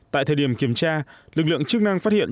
tại thời điểm kiểm tra lực lượng chức năng phát hiện